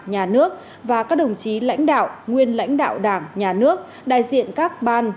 nhà nước và các đồng chí lãnh đạo nguyên lãnh đạo đảng nhà nước đại diện các ban